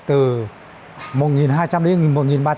từ lúc bắt đầu xấy than cho đến lúc thành phẩm đạt được là phải từ